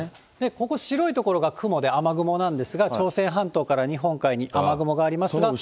ここ、白い所が雲で雨雲なんですが、朝鮮半島から日本海に雨雲がありますが。